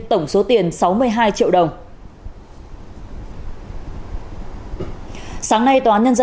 tổng số tiền sáu mươi hai triệu đồng